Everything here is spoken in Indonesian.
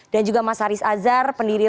dan juga mas haris azhar pendiri